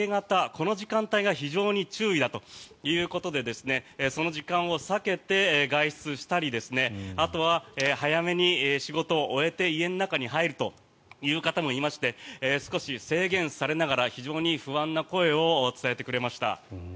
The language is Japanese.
この時間帯が非常に注意だということでその時間を避けて外出したりあとは早めに仕事を終えて家の中に入るという方もいまして少し制限されながら非常に不安な声を伝えてくれました。